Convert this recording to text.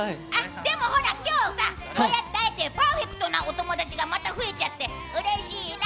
でも、ほら今日さこうやって会えてパーフェクトなお友達がまた増えちゃって、うれしいな！